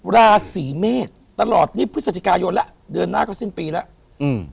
ราศีเมษตลอดนี่พฤศจิกายนแล้วเดือนหน้าก็สิ้นปีแล้วอืม